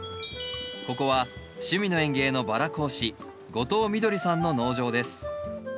ここは「趣味の園芸」のバラ講師後藤みどりさんの農場です。